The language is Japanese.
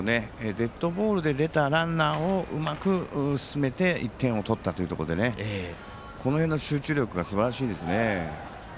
デッドボールで出たランナーをうまく進めて１点を取ったというところでこの辺の集中力がすばらしいですね。